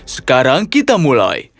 sekarang kita mulai